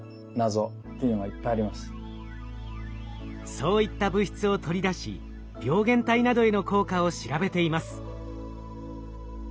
そういった物質を取り出し病原体などへの効果を調べています。